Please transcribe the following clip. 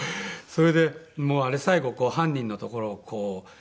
それでもうあれ最後犯人のところをこう。